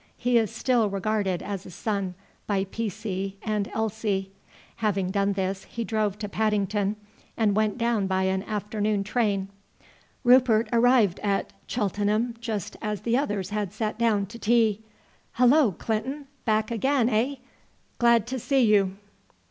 He is still regarded as a son by P.C. and L.C." Having done this he drove to Paddington, and went down by an afternoon train. Rupert arrived at Cheltenham just as the others had sat down to tea. "Hullo, Clinton! Back again, eh? Glad to see you."